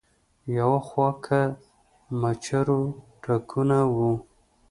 يو خوا کۀ د مچرو ټکونه وو